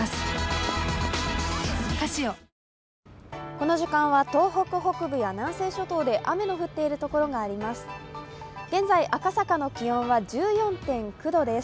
この時間は東北北部や南西諸島で雨の降っているところがあります。